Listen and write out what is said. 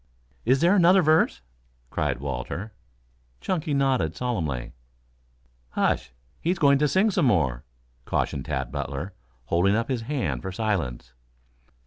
"Is there another verse?" cried Walter. Chunky nodded solemnly. "Hush! He is going to sing some more," cautioned Tad Butler, holding up his hand for silence.